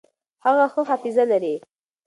هغه ښه حافظه لري.